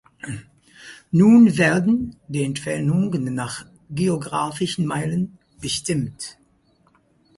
Nun werden „die Entfernungen nach geographischen Meilen“ bestimmt.